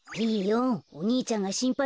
お兄ちゃんがしんぱいしてるよ。